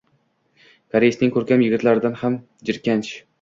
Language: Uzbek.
Koreysning ko‘rkam yigitlaridan ham jirkanch.